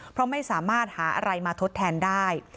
เพราะไม่สามารถหาอะไรมาทดแทนได้